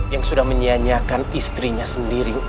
yang sudah menyianyiakan istrinya sendiri